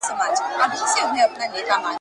د زلفو عطر دي د خیال له شبستانه نه ځي `